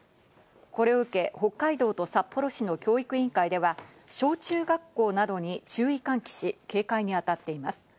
これを受け、北海道と札幌市の教育委員会では、小中学校などに注意喚起し、警戒にあたっています。